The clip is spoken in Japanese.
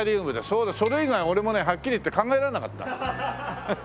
そうだそれ以外俺もねはっきり言って考えられなかった。